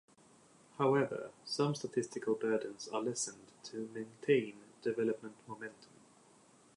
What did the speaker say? However, some statistical burdens are lessened to maintain development momentum.